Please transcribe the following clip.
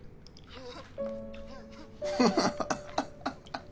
はい。